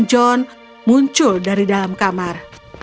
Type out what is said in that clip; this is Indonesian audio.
dan john muncul dari dalam kamar